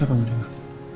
siapa yang meninggal